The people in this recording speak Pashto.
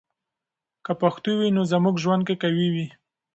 که پښتو وي، نو زموږ ژوند کې قوی وي.